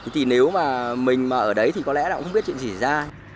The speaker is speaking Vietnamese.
thì nếu mà mình mà ở đấy thì có lẽ là cũng không biết chuyện gì ra